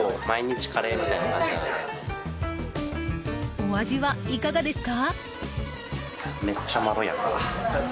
お味はいかがですか？